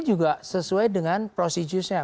juga sesuai dengan prosedurnya